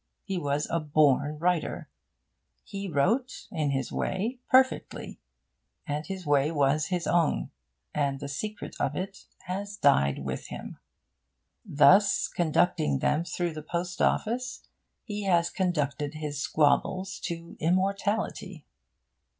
He was a born writer. He wrote, in his way, perfectly; and his way was his own, and the secret of it has died with him. Thus, conducting them through the Post Office, he has conducted his squabbles to immortality.